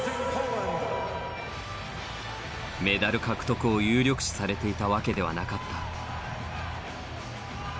メダル獲得を有力視されていたわけではなかった。